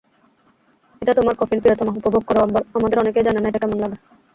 এটা তোমার কফিন প্রিয়তমা, উপভোগ কর আমাদের অনেকেই জানে না এটা কেমন লাগে।